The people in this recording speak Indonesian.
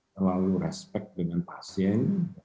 terlalu respect dengan pasien